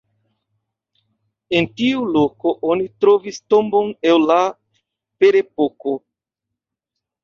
En tiu loko oni trovis tombon el la ferepoko.